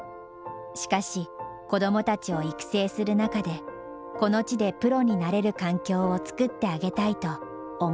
しかし子どもたちを育成する中でこの地でプロになれる環境を作ってあげたいと思うようになった。